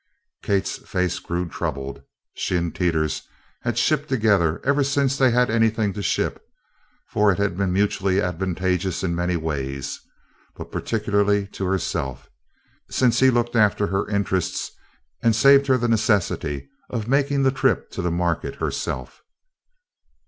Kate's face grew troubled. She and Teeters had shipped together ever since they had had anything to ship, for it had been mutually advantageous in many ways; but particularly to herself, since he looked after her interests and saved her the necessity of making the trip to the market herself.